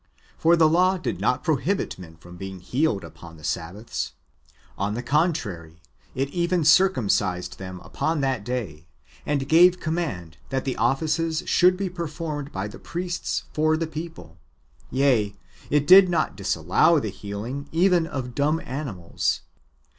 For the law did not prohibit men from being healed upon the Sabbaths; [on the contrary,] it even circumcised them upon that day, and gave command that the offices should be performed by the priests for the people ; yea, it did not dis allow the healino; even of dumb animals.